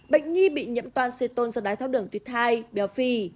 bệnh nhi bị nhiễm toàn xê tôn do đái tháo đường tuyệt thai béo phì